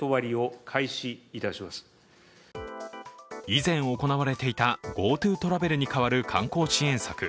以前行われていたＧｏＴｏトラベルに代わる観光支援策